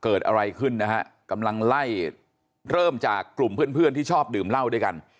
เกิดอะไรขึ้นนะฮะกำลังไล่เริ่มจากกลุ่มเพื่อนเพื่อนที่ชอบดื่มเหล้าด้วยกัน